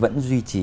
vẫn duy trì